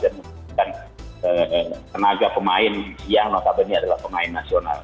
dan tenaga pemain yang notabene adalah pemain nasional